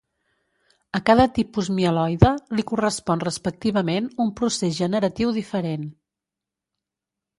A cada tipus mieloide li correspon respectivament un procés generatiu diferent.